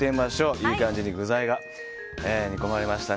いい感じに具材が煮込まれました。